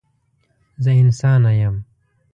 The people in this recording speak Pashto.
زه انسانه یم.